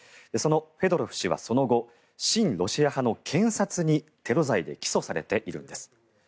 そのフェドロフ氏はその後親ロシア派の検察にテロ罪で起訴されているんです。